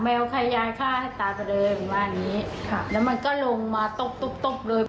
แมวใครยายข้าให้ตายไปเลยอย่างงี้แล้วมันก็ลงมาตุ๊บเลย